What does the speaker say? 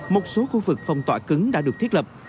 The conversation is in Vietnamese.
một số khu vực phòng tỏa cứng đã được thiết lập